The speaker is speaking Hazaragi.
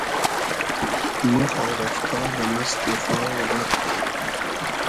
مۉ خۆ رئفتا دۂ مئستی خاو غئرقی